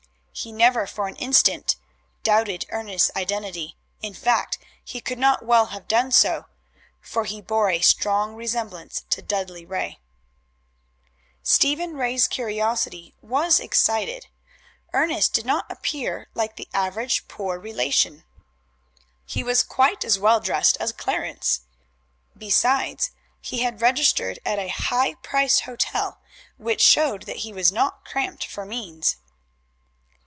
He never for an instant doubted Ernest's identity in fact, he could not well have done so, for he bore a strong resemblance to Dudley Ray. Stephen Ray's curiosity was excited. Ernest did not appear like the average poor relation. He was quite as well dressed as Clarence. Besides, he had registered at a high priced hotel, which showed that he was not cramped for means.